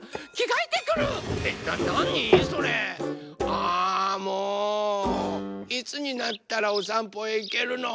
あもういつになったらおさんぽへいけるの？